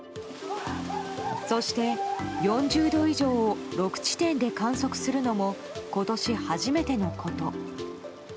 そして、４０度以上を６地点で観測するのも今年初めてのこと。